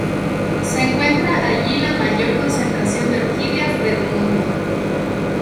Se encuentra allí la mayor concentración de orquídeas del mundo.